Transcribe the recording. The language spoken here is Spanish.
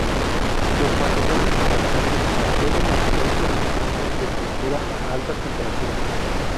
Los materiales refractarios deben mantener su resistencia y estructura a altas temperaturas.